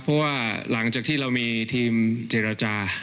เพราะว่าหลังจากที่เรามีทีมเจรจา